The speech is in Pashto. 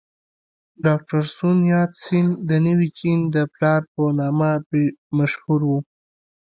ډاکټر سون یات سن د نوي چین د پلار په نامه مشهور و.